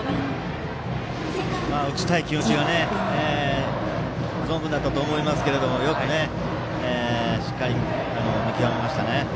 打ちたい気持ちは存分だったと思いますがしっかり、よく見極めましたね。